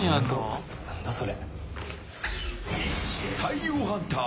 何だ、それ。